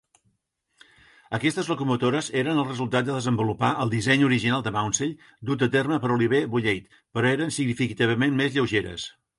Aquestes locomotores eren el resultat de desenvolupar el disseny original de Maunsell dut a terme per Oliver Bulleid, però eren significativament més lleugeres.